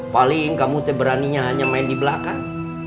paling kamu seberaninya hanya main di belakang